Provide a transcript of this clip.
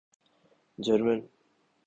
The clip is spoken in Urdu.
جرمن